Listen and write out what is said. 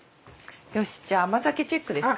よしじゃあ甘酒チェックですか？